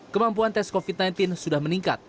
kemampuan tes covid sembilan belas sudah meningkat